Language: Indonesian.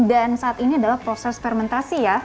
dan saat ini adalah proses fermentasi ya